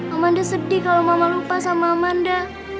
amanda sedih kalau mama lupa sama amanda